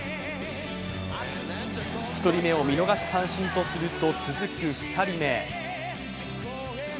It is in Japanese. １人目を見逃し三振とすると続く２人目。